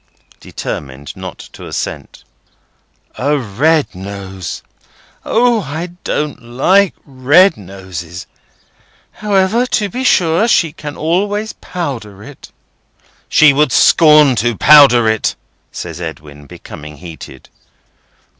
Determined not to assent. "A red nose? O! I don't like red noses. However; to be sure she can always powder it." "She would scorn to powder it," says Edwin, becoming heated.